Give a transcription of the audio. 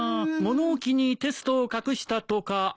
物置にテストを隠したとか？